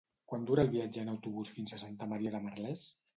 Quant dura el viatge en autobús fins a Santa Maria de Merlès?